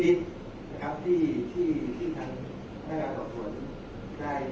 แต่ว่าไม่มีปรากฏว่าถ้าเกิดคนให้ยาที่๓๑